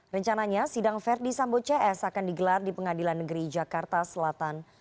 rencananya sidang verdi sambo cs akan digelar di pengadilan negeri jakarta selatan